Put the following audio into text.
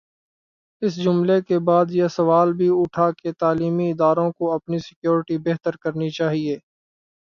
اس حملے کے بعد یہ سوال بھی اٹھا کہ تعلیمی اداروں کو اپنی سکیورٹی بہتر کرنی چاہیے۔